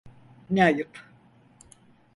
Ne ayıp.